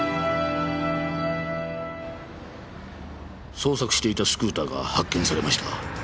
捜索していたスクーターが発見されました。